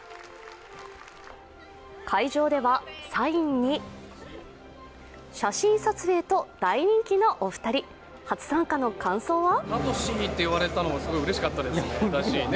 会場ではサインに写真撮影と大人気のお二人、初参加の感想は？